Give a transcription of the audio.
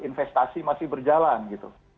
investasi masih berjalan gitu